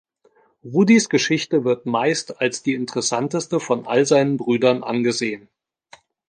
Rudis Geschichte wird meist als die interessanteste von all seinen Brüdern angesehen.